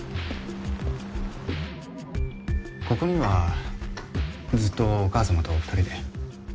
ここにはずっとお母さまとお２人で？